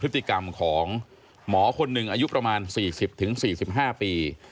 พฤติกรรมของหมอคนหนึ่งอายุประมาณ๔๐๔๕ปี